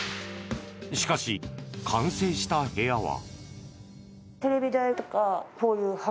しかし、完成した部屋は。